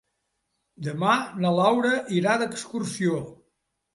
Demà na Laura irà d'excursió.